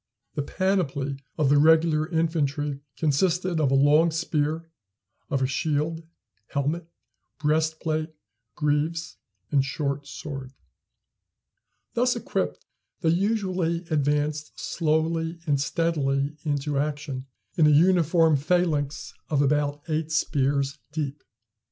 The panoply of the regular infantry consisted of a long spear, of a shield, helmet, breastplate, greaves, and short sword. Thus equipped, they usually advanced slowly and steadily into action in a uniform phalanx of about eight spears deep.